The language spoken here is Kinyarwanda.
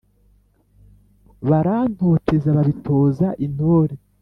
Barantoteza babitoza intore